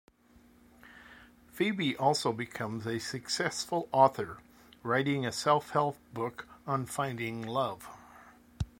Phoebe also becomes a successful author, writing a self-help book on finding love.